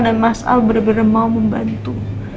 dan mas al bener bener mau membantu